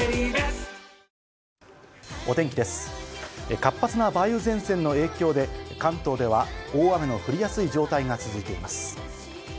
活発な梅雨前線の影響で関東では大雨の降りやすい状態が続いています。